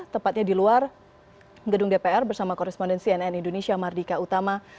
tepatnya di luar gedung dpr bersama koresponden cnn indonesia mardika utama